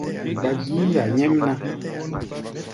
Gba gíí ya nyɛ́mná!